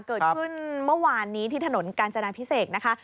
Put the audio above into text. เกิดขึ้นเมื่อวานนี้ที่ถนนกาญจนาพิเศษนะคะ